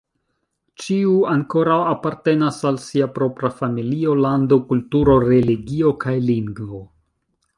Ĉiu ankoraŭ apartenas al sia propra familio, lando, kulturo, religio, kaj lingvo.